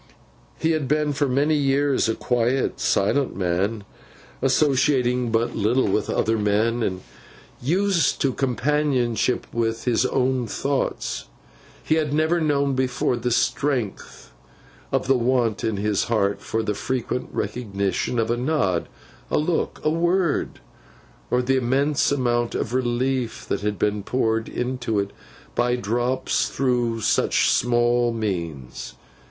He had been for many years, a quiet silent man, associating but little with other men, and used to companionship with his own thoughts. He had never known before the strength of the want in his heart for the frequent recognition of a nod, a look, a word; or the immense amount of relief that had been poured into it by drops through such small means.